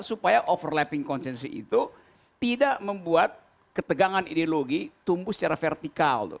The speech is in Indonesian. supaya overlapping konsensus itu tidak membuat ketegangan ideologi tumbuh secara vertikal